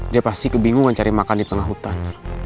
dia pasti kebingungan cari makan di tengah hutan